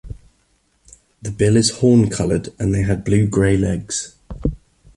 The bill is horn-coloured and they had blue-gray legs.